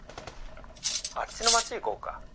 あっちの街行こうか？」。